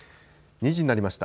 ２時になりました。